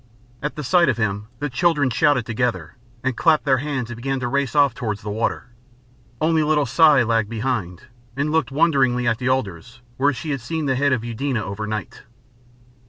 At the sight of him the children shouted together, and clapped their hands and began to race off towards the water. Only little Si lagged behind and looked wonderingly at the alders where she had seen the head of Eudena overnight.